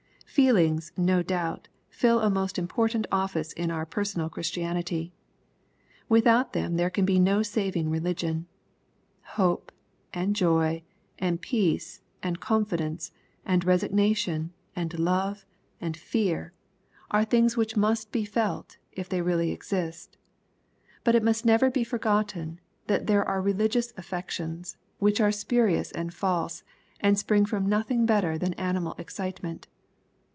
Feelings, no doubt, fill a most important office in our personal Christianity. Without them there can be no saving religion. Hope, and joy,, and peace, and confi dence, and resignation, and love, and fear, are things 252 EXPOSITORY THOUGHTS. which must be felt, if they really exist. But it must never be forgotten that there are religious affections, which are spurious and false, and spring from nothing better than animal excitement.